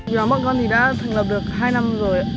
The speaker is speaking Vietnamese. đó bọn con thì đã thành lập được hai năm rồi ạ